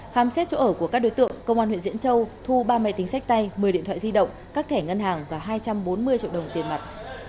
khám xét chỗ ở của các đối tượng công an huyện diễn châu thu ba máy tính sách tay một mươi điện thoại di động các thẻ ngân hàng và hai trăm bốn mươi triệu đồng tiền mặt